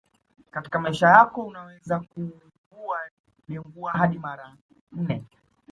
Katika maisha yako unaweza kuugua Dengua hadi mara nne